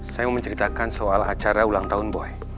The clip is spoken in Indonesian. saya mau menceritakan soal acara ulang tahun boy